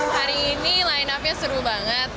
hari ini line upnya seru banget